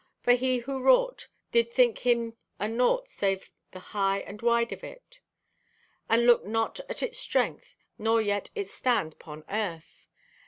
For he who wrought did think him o' naught save the high and wide o' it, and looked not at its strength or yet its stand 'pon earth.